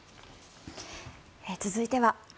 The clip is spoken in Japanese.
続いては。